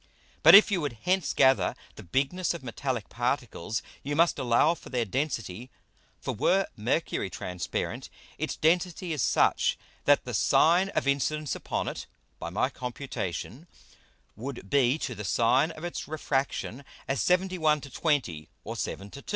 But, if you would hence gather the Bigness of metallick Particles, you must allow for their Density. For were Mercury transparent, its Density is such that the Sine of Incidence upon it (by my Computation) would be to the Sine of its Refraction, as 71 to 20, or 7 to 2.